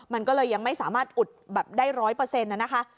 มันก็เลยยังไม่สามารถอุดแบบได้ร้อยเปอร์เซ็นต์น่ะนะคะ